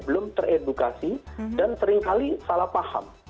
belum teredukasi dan seringkali salah paham